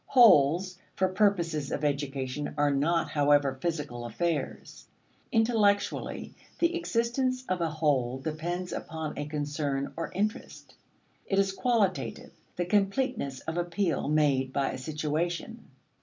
Wholes for purposes of education are not, however, physical affairs. Intellectually the existence of a whole depends upon a concern or interest; it is qualitative, the completeness of appeal made by a situation.